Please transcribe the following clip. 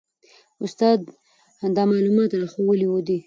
استاد دا معلومات راښوولي دي.